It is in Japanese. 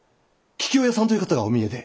桔梗屋さんという方がお見えで。